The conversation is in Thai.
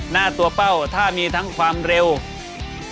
หน้าตัวเป้าถ้ามีทั้งความเร็ว